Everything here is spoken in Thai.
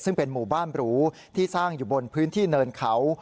ซึ่งเป็นหมู่บ้านหรูที่สร้างอยู่บนพื้นที่เนินเขา